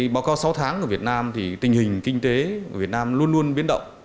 báo cáo sáu tháng của việt nam thì tình hình kinh tế của việt nam luôn luôn biến động